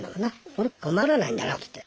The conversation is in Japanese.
俺困らないんだなっつって。